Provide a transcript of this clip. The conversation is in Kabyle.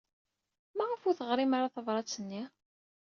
Maɣef ur teɣrim ara tabṛat-nni?